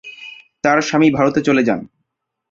তার স্বামী ভারতে চলে যান।